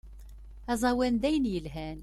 Azawan dayen yelhan.